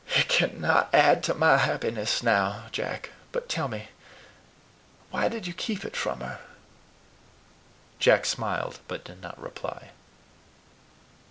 "It cannot add to MY happiness now, Jack; but tell me, why did you keep it from her?" Jack smiled, but did not reply.